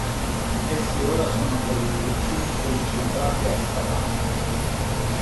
Essi ora sono per lo più concentrati a Sabha.